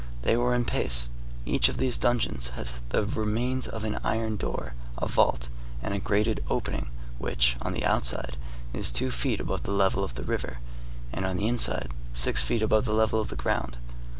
They were in pace. Each of these dungeons has the remains of an iron door, a vault, and a grated opening which, on the outside, is two feet above the level of the river, and on the inside, six feet above the level of the ground.